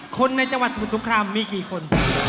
คนในจังหวัดสมุทรสงครามมีกี่คน